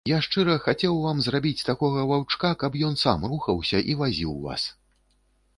Я шчыра хацеў вам зрабіць такога ваўчка, каб ён сам рухаўся і вазіў вас.